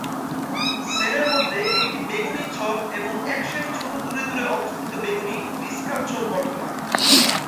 Sell এর মধ্যে একটি বেগুনী ছোপ এবং একসারি ছোট দূরে দূরে অবস্থিত বেগুনী ডিসকাল ছোপ বর্তমান।